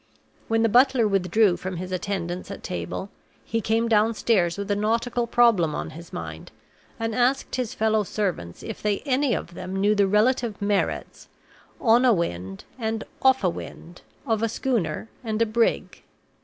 When the butler withdrew from his attendance at table, he came downstairs with a nautical problem on his mind, and asked his fellow servants if they any of them knew the relative merits "on a wind" and "off a wind" of a schooner and a brig.